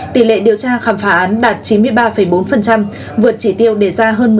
tỷ lệ điều tra khám phá án đạt chín mươi ba bốn vượt chỉ tiêu đề ra hơn một mươi